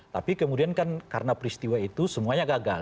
tapi kemudian kan karena peristiwa itu semuanya gagal